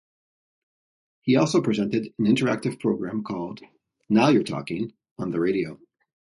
He also presented an interactive programme called "Now You're Talking" on the radio.